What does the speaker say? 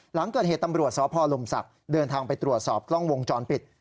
หลังเกิดเหตุตำรวจสพลมศักดิ์เดินทางไปตรวจสอบกล้องวงจรปิด